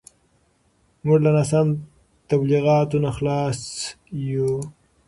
موږ له ناسم تبلیغاتو نه خلاص یو.